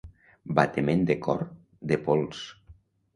Batement de cor, de pols.